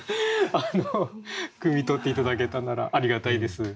くみ取って頂けたならありがたいです。